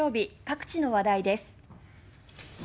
各地の話題です。